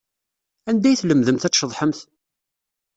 Anda ay tlemdemt ad tceḍḥemt?